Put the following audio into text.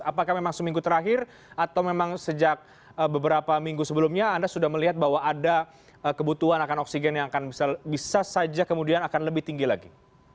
apakah memang seminggu terakhir atau memang sejak beberapa minggu sebelumnya anda sudah melihat bahwa ada kebutuhan akan oksigen yang akan bisa saja kemudian akan lebih tinggi lagi